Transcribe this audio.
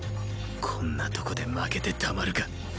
こんなとこで負けてたまるか